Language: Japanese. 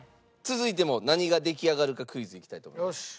続いても何が出来上がるかクイズいきたいと。